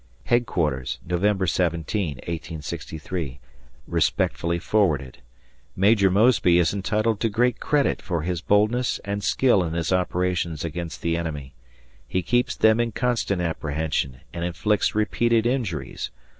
Headquarters, November 17, 1863. Respectfully forwarded. Major Mosby is entitled to great credit for his boldness and skill in his operations against the enemy. He keeps them in constant apprehension and inflicts repeated injuries.